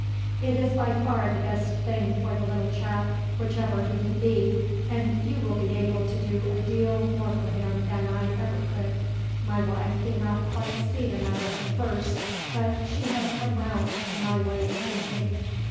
"It is by far the best thing for the little chap whichever he may be, and you will be able to do a deal more for him than I ever could. My wife did not quite see the matter at first, but she has come round to my way of thinking.